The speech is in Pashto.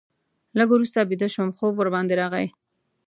لږ وروسته بیده شوم، خوب ورباندې راغی.